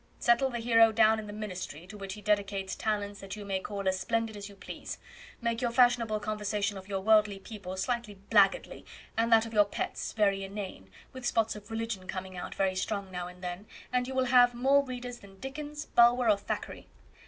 Settle the hero down in the ministry, to which he dedicates talents that you may call as splendid as you please; make your fashionable conversation of your worldly people slightly blackguardly, and that of your pets very inane, with spots of religion coming out very strong now and then, and you will have more readers than Dickens, Bulwer, or Thackeray.